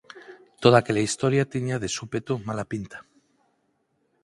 Toda aquela historia tiña, de súpeto, mala pinta.